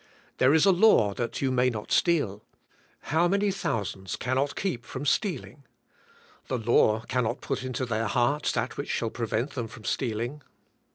There is a law that you may not steal. How many thousands cannot keep from stealing*. The law cannot put into their hearts that which shall pre vent them from stealing".